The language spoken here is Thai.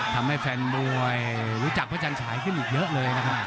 ทำให้แฟนมวยรู้จักพระจันฉายขึ้นอีกเยอะเลยนะครับ